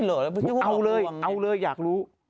เอาเลยเอาเลยอยากรู้